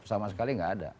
sama sekali tidak ada